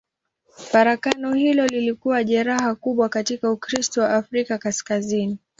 Farakano hilo lilikuwa jeraha kubwa katika Ukristo wa Afrika Kaskazini.